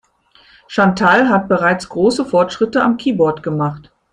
Chantal hat bereits große Fortschritte am Keyboard gemacht.